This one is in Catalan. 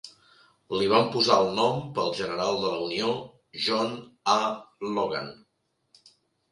Li van posar el nom pel general de la Unió John A. Logan.